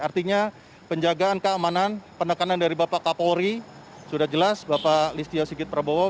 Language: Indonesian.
artinya penjagaan keamanan penekanan dari bapak kapolri sudah jelas bapak listio sigit prabowo